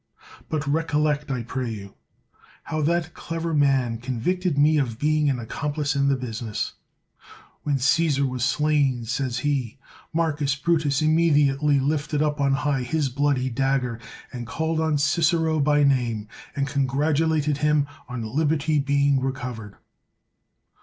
But recollect, I pray you, how that clever man convicted me of being an accomplice in the busi ness. When Caesar was slain, says he, Marcus Brutus immediately lifted up on high lus bloody dagger, and called on Cicero by name, and con gratulated him on liberty being recovered.